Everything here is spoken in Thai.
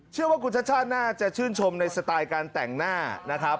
เชื่อว่าคุณชาติชาติน่าจะชื่นชมในสไตล์การแต่งหน้านะครับ